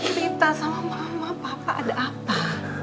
cerita sama mama papa ada apa